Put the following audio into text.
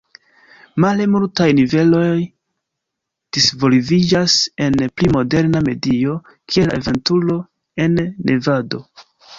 Male multaj niveloj disvolviĝas en pli moderna medio, kiel la aventuro en Nevado.